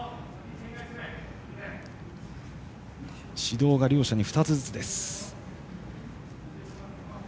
指導が両者に２つずつです。